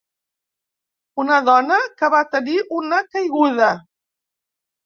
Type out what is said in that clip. Una dona que va tenir una caiguda.